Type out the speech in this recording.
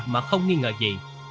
mà không nghi ngờ gì